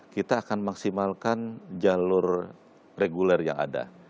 kita akan maksimalkan jalur reguler yang ada